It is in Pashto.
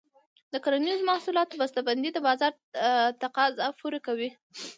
د کرنیزو محصولاتو بسته بندي د بازار تقاضا پوره کوي.